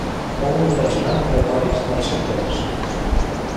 Fou un dels grans retòrics del seu temps.